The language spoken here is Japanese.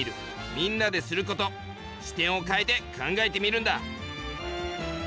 「みんなですること」視点を変えて考えてみるんだ。